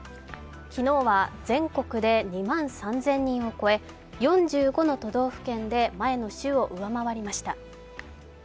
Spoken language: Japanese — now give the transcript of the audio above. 昨日は全国で２万３０００人を超え４５の都道府県で前の週を上回りました。